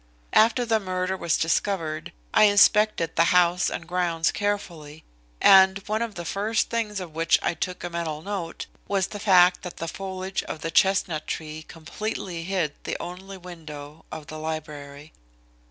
After the murder was discovered I inspected the house and grounds carefully, and one of the first things of which I took a mental note was the fact that the foliage of the chestnut tree completely hid the only window of the library."